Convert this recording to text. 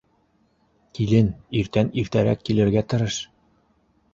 — Килен, иртән иртәрәк килергә тырыш.